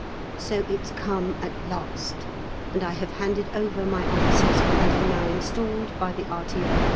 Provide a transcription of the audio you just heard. So it's come at last, and I have handed over my officers, and am now installed by the R.T.O.